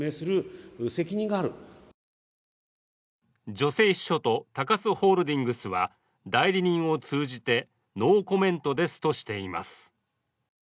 女性秘書と高須ホールディングスは代理人を通じてノーコメントですとしています。